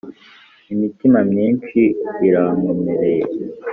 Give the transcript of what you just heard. imitima myinshi irankomereye :